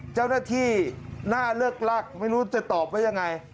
เจ้าหน้าที่น่าเลิกลักไม่รู้จะตอบว่ายังไง